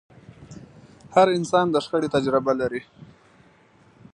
هر انسان د شخړې تجربه لري.